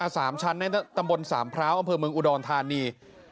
สามชั้นในตำบลสามพร้าวอำเภอเมืองอุดรธานี